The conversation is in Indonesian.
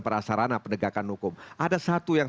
perasarana pendegakan hukum ada satu yang